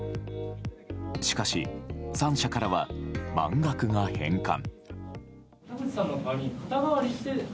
しかし、３社からは満額が返還。